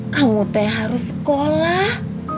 kamu teh harus sekolah